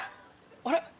あれ？